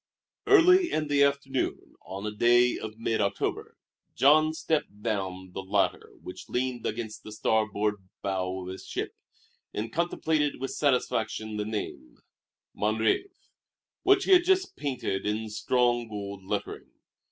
Early in the afternoon, on a day of mid October, Jean stepped down the ladder which leaned against the starboard bow of his ship, and contemplated with satisfaction the name, "Mon Rêve," which he had just painted in strong, gold lettering.